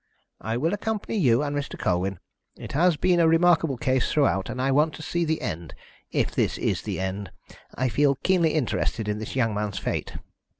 "I will accompany you and Mr. Colwyn. It has been a remarkable case throughout, and I want to see the end if this is the end. I feel keenly interested in this young man's fate."